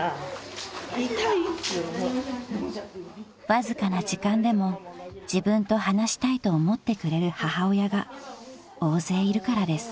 ［わずかな時間でも自分と話したいと思ってくれる母親が大勢いるからです］